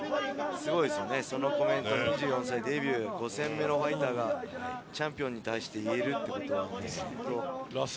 すごいですよね、そのコメントデビュー５戦目のファイターがチャンピオンに対して言えるって。